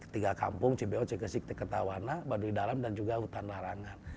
tiga kampung cbo cksi ktk tawana baduy dalam dan juga hutan larangan